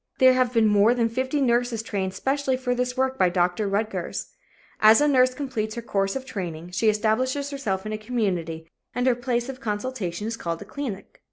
There have been more than fifty nurses trained specially for this work by Dr. Rutgers. As a nurse completes her course of training, she establishes herself in a community and her place of consultation is called a clinic.